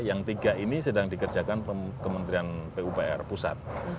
yang tiga ini sedang dikerjakan kementerian pupr pusat